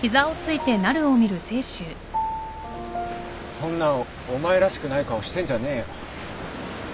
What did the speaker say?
そんなお前らしくない顔してんじゃねえよ。